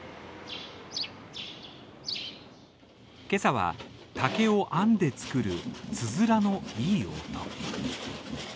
今朝は竹を編んで作るつづらのいい音。